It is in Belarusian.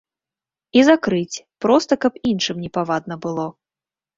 І закрыць, проста каб іншым непавадна было.